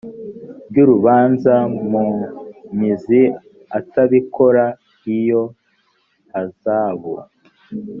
ry urubanza mu mizi atabikora iyo hazabu